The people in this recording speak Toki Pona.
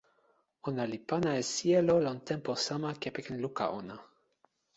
ona li pana e sijelo lon tenpo sama kepeken luka ona.